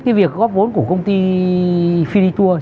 cái việc góp vốn của công ty fiditur